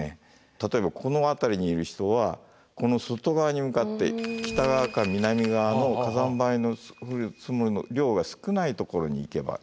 例えばこの辺りにいる人はこの外側に向かって北側か南側の火山灰の量が少ないところに行けば。